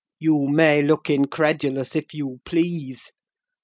You may look incredulous, if you please!